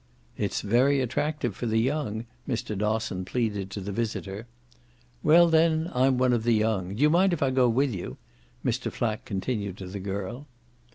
"It's very attractive for the young," Mr. Dosson pleaded to the visitor. "Well then, I'm one of the young. Do you mind if I go with you?" Mr. Flack continued to the girl.